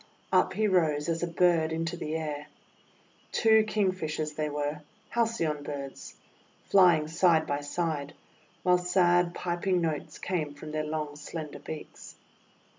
Up he rose as a bird into the air. Two King fishers they were, — Halcyon Birds, — flying side by side, while sad, piping notes came from their long, slender beaks.